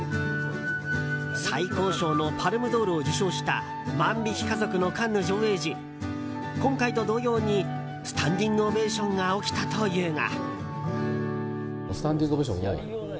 最高賞のパルム・ドールを受賞した「万引き家族」のカンヌ上映時、今回と同様にスタンディングオベーションが起きたというが。